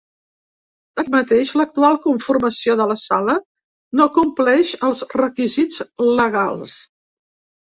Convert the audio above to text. Tanmateix, l’actual conformació de la sala no compleix els requisits legals.